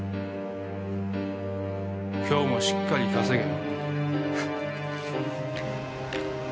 今日もしっかり稼げよ。